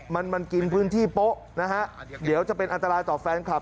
มันมันกินพื้นที่โป๊ะนะฮะเดี๋ยวจะเป็นอันตรายต่อแฟนคลับ